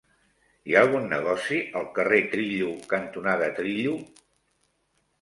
Hi ha algun negoci al carrer Trillo cantonada Trillo?